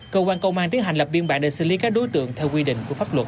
cơ quan công an tiến hành lập biên bản để xử lý các đối tượng theo quy định của pháp luật